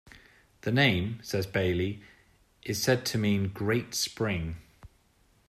The name, says Bailey, is said to mean "Great Spring".